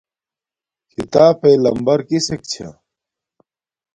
کھیتاپݵ لمبر کسک چھا